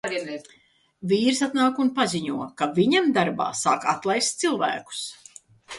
Vīrs atnāk un paziņo, ka viņam darbā sāk atlaist cilvēkus.